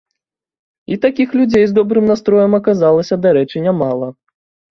І такіх людзей з добрым настроем аказалася, дарэчы, нямала.